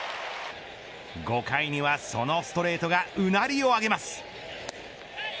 ５回にはそのストレートがうなりを上げます。